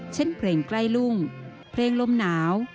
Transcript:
เช่นเพลงใกล้รุ่งเพลงลมหนาว